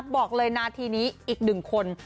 บอกเลยนาทีนี้อีกหนึ่งคน